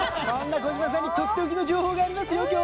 そんな児嶋さんにとっておきの情報がありますよ